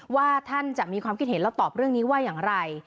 ว่าท่านจะมีความคิดเห็นแล้วตอบเรื่องนี้ว่าอย่างไร